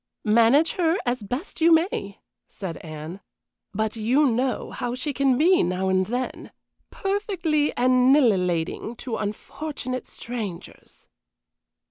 "Manage her as best you may," said Anne. "But you know how she can be now and then perfectly annihilating to unfortunate strangers."